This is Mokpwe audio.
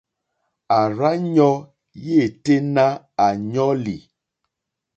À rzá ɲɔ̄ yêténá à ɲɔ́lì.